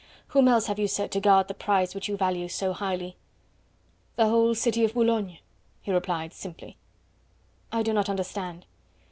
Whom else have you set to guard the prize which you value so highly?" "The whole city of Boulogne," he replied simply. "I do not understand."